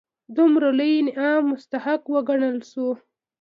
دومره لوی انعام مستحق وګڼل شول.